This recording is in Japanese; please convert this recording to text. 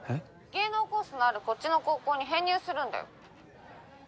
芸能コースのあるこっちの高校に編入するんだよ。